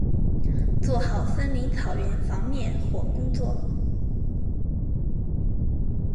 做好森林草原防灭火工作